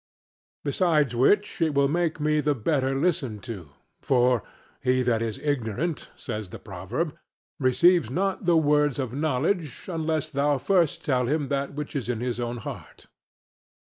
Besides which it will make me the better listened to; for "He that is ignorant (says the proverb) receives not the words of knowledge, unless thou first tell him that which is in his own heart."